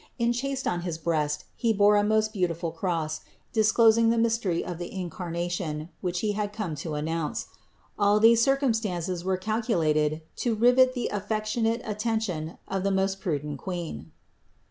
Enchased on his breast, he bore a most beautiful cross, disclosing the mystery of the Incarnation, which He had come to announce. All these circumstances were calculated to rivet the affec tionate attention of the most prudent Queen.